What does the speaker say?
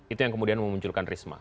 itu yang kemudian memunculkan risma